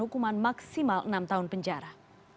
hukuman maksimal enam tahun penjara